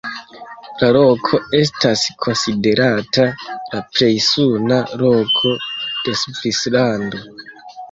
La loko estas konsiderata la plej suna loko de Svislando.